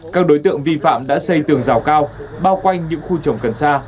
các đối tượng vi phạm đã xây tường rào cao bao quanh những khu trồng cần xa